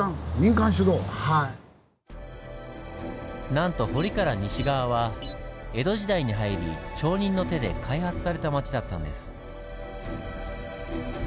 なんと堀から西側は江戸時代に入り町人の手で開発された町だったんです。